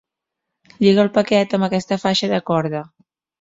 Lliga el paquet amb aquesta faixa de corda.